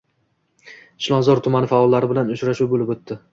Chilonzor tumani faollari bilan uchrashuv bo‘lib o‘tdi